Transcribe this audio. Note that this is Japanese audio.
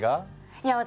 いや私